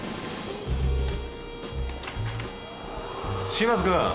島津君。